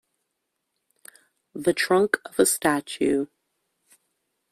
The trunk of a statue.